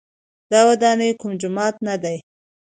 دا ودانۍ کوم جومات نه دی.